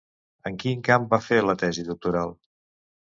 En quin camp va fer la tesi doctoral?